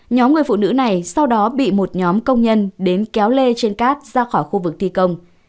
nhóm người phụ nữ này sau đó bị một nhóm công nhân đến kéo lê trên cát ra khỏi khu vực thi công